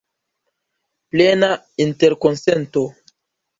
Plena interkonsento.